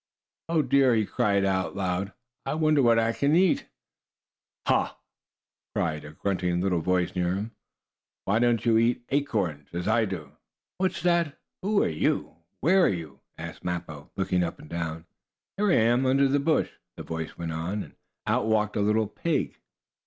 "Oh dear!" he cried out loud. "I wonder what I can eat." "Ha!" cried a grunting little voice near him, "why don't you eat acorns, as I do?" "What's that? Who are you? Where are you?" asked Mappo, looking up and down. "Here I am, under this bush," the voice went on, and out walked a little pig.